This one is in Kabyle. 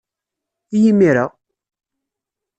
I yimir-a?